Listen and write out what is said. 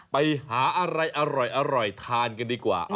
ไปหาอะไรอร่อยทานกันดีกว่า